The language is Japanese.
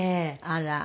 あら。